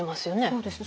そうですね。